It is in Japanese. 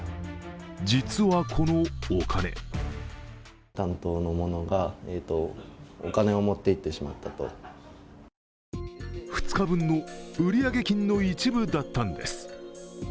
実はこのお金２日分の売上金の一部だったのです。